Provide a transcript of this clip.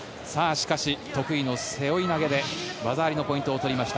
しかし得意の背負い投げで技ありのポイントを取りました。